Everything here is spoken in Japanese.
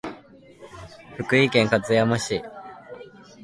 福井県勝山市